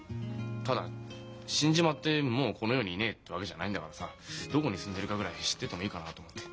ただ死んじまってもうこの世にいねえってわけじゃないんだからさどこに住んでるかぐらい知っててもいいかなと思って。